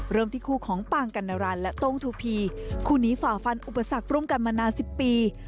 เริ่มที่คู่ของปางกัณรันและโต้งทูพีคู่นี้ฝ่าฟันอุปสรรคร่วมกันมานาน๑๐ปี